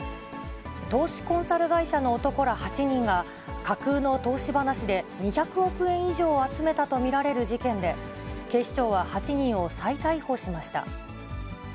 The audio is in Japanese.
投資コンサル会社の男ら８人が、架空の投資話で２００億円以上を集めたと見られる事件で、警視庁は８人を再逮捕しました。